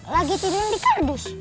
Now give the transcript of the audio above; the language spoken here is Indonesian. lagi timun di kardus